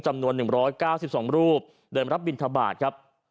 จำนวนหนึ่งร้อยเก้าสิบสองรูปโดยรับบิณฑบาตครับ